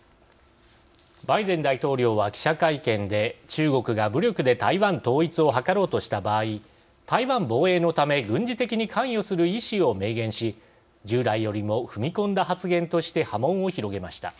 バイデン大統領は記者会見で中国が武力で台湾統一を図ろうとした場合台湾防衛のため軍事的に関与する意思を明言し従来よりも踏み込んだ発言として波紋を広げました。